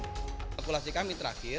kepulasi kami terakhir